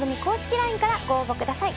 ＬＩＮＥからご応募ください。